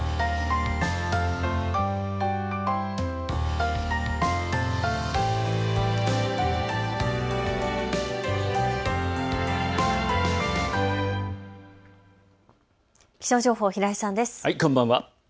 こんばんは。